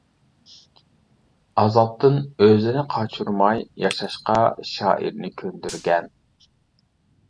ئازابتىن ئۆزىنى قاچۇرماي ياشاشقا شائىرنى كۆندۈرگەن.